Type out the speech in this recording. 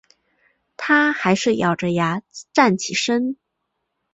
她还是咬著牙站起身